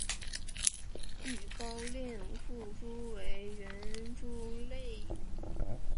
豫高亮腹蛛为园蛛科高亮腹蛛属的动物。